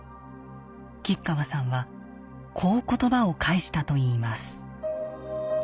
吉川さんはこう言葉を返したといいます。